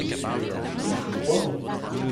Il fait froid ?